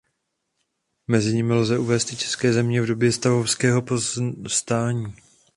Mezi nimi lze uvést i České země v době stavovského povstání.